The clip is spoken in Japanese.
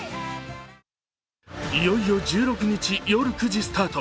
いよいよ１６日夜９時スタート。